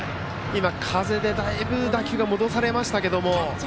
風でだいぶ打球が戻されましたけども。